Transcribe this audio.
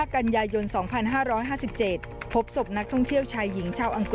สุดท้ายสุดท้ายสุดท้าย